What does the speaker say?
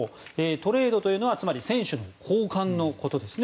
トレードというのはつまり選手の交換のことです。